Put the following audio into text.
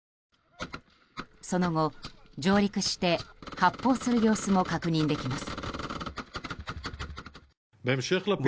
その後、上陸して発砲する様子も確認できます。